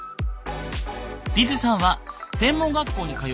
リツさんは専門学校に通う１９歳。